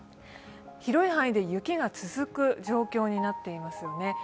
広い範囲で雪が続く状況になっていますよね。